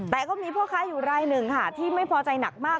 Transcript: แต่ก็มีพ่อค้าอยู่รายหนึ่งค่ะที่ไม่พอใจหนักมาก